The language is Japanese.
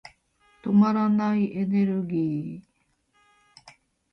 止まらないエネルギー。